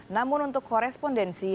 namun untuk korespondensi dan dokumennya